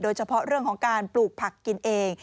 เฉพาะเรื่องของการปลูกผักกินเอง